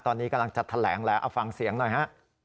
ตอนนี้กำลังจัดแถลงแล้วเอาฟังเสียงหน่อยฮะ